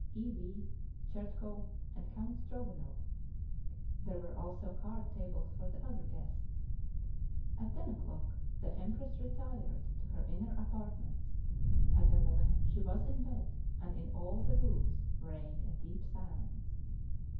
E. V. Chertkov, and Count Strogonov; there were also card tables for the other guests. At ten o'clock the empress retired to her inner apartments; at eleven she was in bed, and in all the rooms reigned a deep silence.